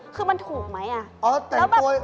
คือแต่ยังไงมันถูกไหม